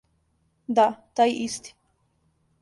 Да, тај исти.